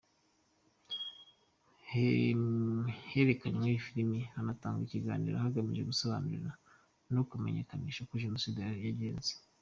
Herekanywe film hanatangwa ikiganiro hagamijwe gusobanura no kumenyekanisha uko Jenoside yagenze.